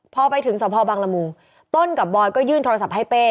พอไปถึงสพบังละมุงต้นกับบอยก็ยื่นโทรศัพท์ให้เป้